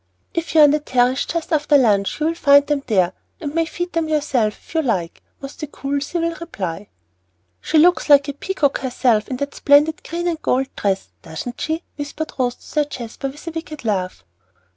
"If you are on the terrace just after lunch, you will find them there, and may feed them yourself, if you like" was the cool, civil reply. "She looks like a peacock herself in that splendid green and gold dress, doesn't she?" whispered Rose to Sir Jasper, with a wicked laugh.